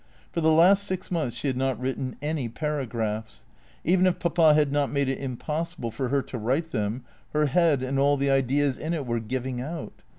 For the last six months she had not written any paragraphs. Even if Papa had not made it im possible for her to write them, her head and all the ideas in it were giving out.